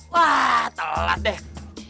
wah telat deh